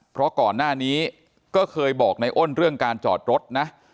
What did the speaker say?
เพราะก่อนหน้านี้ก็เคยบอกในอ้นเรื่องการจอดรถนะ